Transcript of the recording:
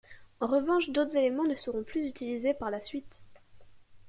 En revanche, d'autres éléments ne seront plus utilisés par la suite.